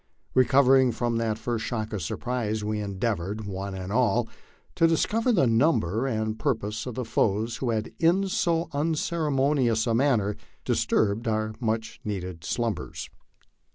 Recovering from the first shock of surprise, we endeavored, one and all, to discover the number and pur pose of the foes who had in so unceremonious a manner disturbed our much needed slumbers.